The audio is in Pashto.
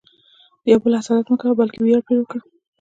د یو بل حسادت مه کوه، بلکې ویاړ پرې وکړه.